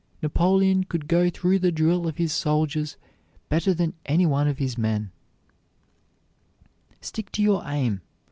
Napoleon could go through the drill of his soldiers better than any one of his men. Stick to your aim.